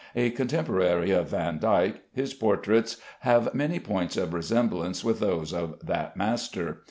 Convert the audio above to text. A contemporary of Vandyke, his portraits have many points of resemblance with those of that master.